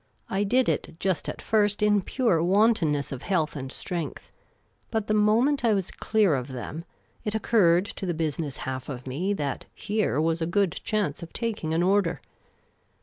I did it just at first in pure wanton ness of health and strength ; but the moment I was clear of them, it occurred to the business half of me that here was a good chance of taking an order.